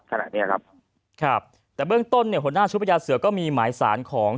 ขณะเนี้ยครับครับแต่เบื้องต้นเนี่ยหัวหน้าชุดพญาเสือก็มีหมายสารของ